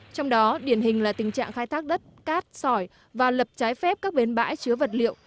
trong đó điển hình là tình trạng khai thác đất cát sỏi và lập trái phép các bến bãi chứa vật liệu